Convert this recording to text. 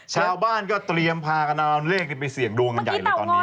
ชาวบ้านก็เตรียมพากันเอาเลขไปเสี่ยงดวงกันใหญ่เลยตอนนี้